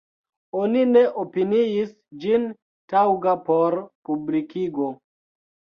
Oni ne opiniis ĝin taŭga por publikigo.